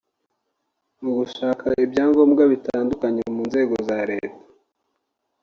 mu gushaka ibyangombwa bitandukanye mu nzego za Leta